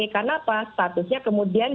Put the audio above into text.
karena apa statusnya kemudian